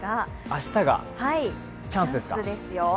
明日がチャンスですよ。